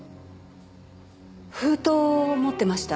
封筒を持ってました。